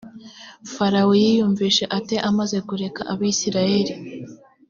farawo yiyumvise ate amaze kureka abisirayeli.